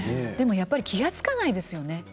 でもやっぱり気がつかないですよね。